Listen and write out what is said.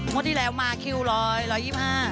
เมื่อที่แล้วมาคิวร้อย๑๒๕